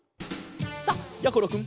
さあやころくん